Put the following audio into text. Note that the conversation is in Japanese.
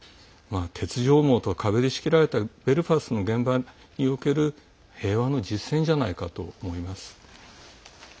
鉄条網と壁で仕切られたベルファストの現場における平和の実践じゃないかと思います。